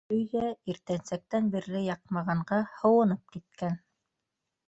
Өй ҙә, иртәнсәктән бирле яҡмағанға, һыуынып киткән.